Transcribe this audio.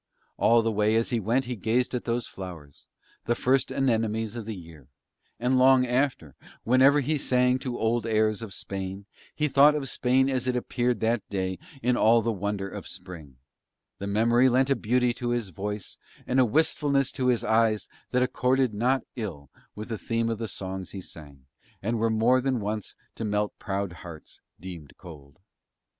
All the way as he went he gazed at those flowers, the first anemones of the year; and long after, whenever he sang to old airs of Spain, he thought of Spain as it appeared that day in all the wonder of Spring; the memory lent a beauty to his voice and a wistfulness to his eyes that accorded not ill with the theme of the songs he sang, and were more than once to melt proud hearts deemed cold.